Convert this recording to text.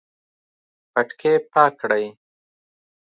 پټکی پاک کړئ